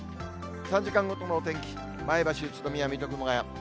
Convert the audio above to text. ３時間ごとのお天気、前橋、宇都宮、水戸、熊谷。